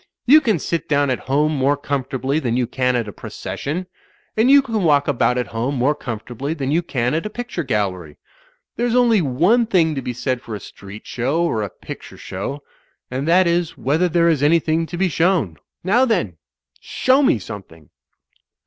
You can sit down at home more comfortably than you can at a proces sion. And you can walk about at home more comfort ably than you can at a picture gallery. There's only one thing to be said for a street show or a picture show — and that is whether there is anything to be shown. Now, then! Show me something!"